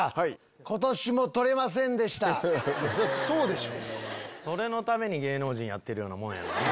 そりゃそうでしょ。